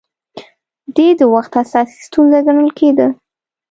دې د وخت اساسي ستونزه ګڼل کېده